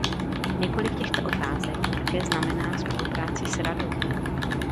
Několik těchto otázek také znamená spolupráci s Radou.